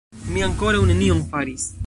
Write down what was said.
Mi ankoraŭ nenion faris